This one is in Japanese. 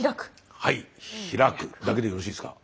はい「開く」だけでよろしいですか？